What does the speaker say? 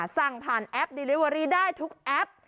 สั่งผ่านแอปดีลิเวอรี่ได้ทุกแอป